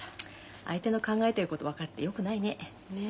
相手の考えてること分かってよくないね。ね。